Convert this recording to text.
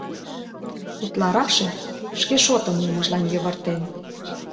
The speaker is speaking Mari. Утларакше шке шотым мумыжлан йывыртен.